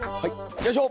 よいしょ。